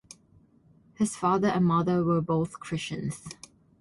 His father and mother were both Christians.